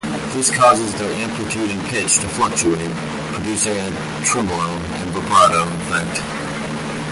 This causes their amplitude and pitch to fluctuate, producing a tremolo and vibrato effect.